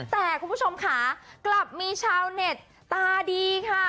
แต่คุณผู้ชมค่ะกลับมีชาวเน็ตตาดีค่ะ